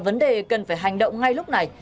vấn đề cần phải hành động ngay lúc này